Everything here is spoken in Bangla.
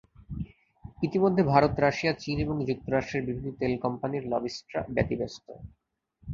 ইতিমধ্যে ভারত, রাশিয়া, চীন এবং যুক্তরাষ্ট্রের বিভিন্ন তেল কোম্পানির লবিস্টরা ব্যতিব্যস্ত।